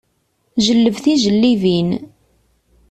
Jelleb tijellibin.